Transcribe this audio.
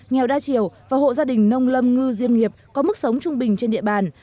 nghèo đa chiều và hộ gia đình nông lâm ngư diêm nghiệp có mức sống trung bình trên địa bàn